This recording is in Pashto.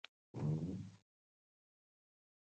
دا کتاب بېخي اوبو راوړی دی؛ وايې خله.